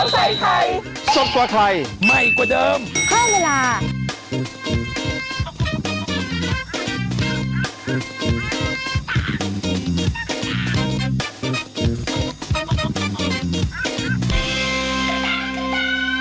สวัสดีครับทุกคนขอบคุณทุกวันใหม่ขอบคุณทุกวันใหม่